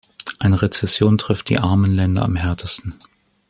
Eine Rezession trifft die armen Länder am härtesten.